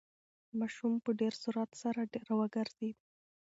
ماشوم په ډېر سرعت سره راوگرځېد.